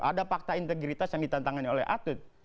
ada fakta integritas yang ditantangin oleh atut